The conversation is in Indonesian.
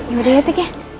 yaudah ya tik ya